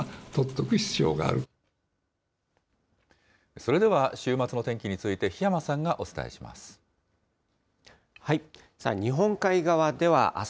それでは週末の天気について、檜山さんがお伝えします。